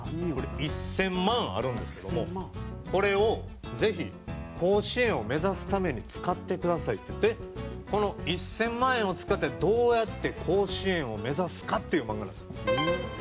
これ１０００万あるんですけどもこれをぜひ甲子園を目指すために使ってくださいって言ってこの１０００万円を使ってどうやって甲子園を目指すかっていう漫画なんですよ。